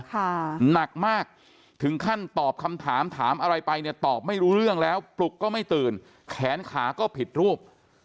หนักมากถึงขั้นตอบคำถามถามอะไรไปเนี่ยตอบไม่รู้เรื่องแล้วปลุกก็ไม่ตื่นแขนขาก็ผิดรูป